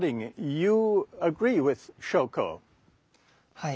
はい。